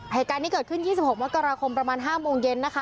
เหตุการณ์นี้เกิดขึ้น๒๖มกราคมประมาณ๕โมงเย็นนะคะ